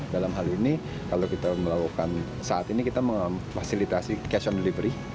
dalam hal ini kalau kita melakukan saat ini kita memfasilitasi cashon delivery